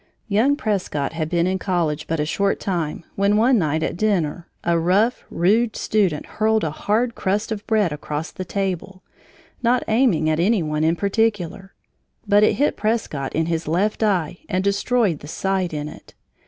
_] Young Prescott had been in college but a short time when, one night at dinner, a rough, rude student hurled a hard crust of bread across the table, not aiming at any one in particular. But it hit Prescott in his left eye and destroyed the sight in it.